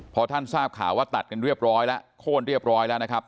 พอท่านทราบข่าวว่าตัดกันเรียบร้อยแล้วโค้นเรียบร้อยแล้วนะครับ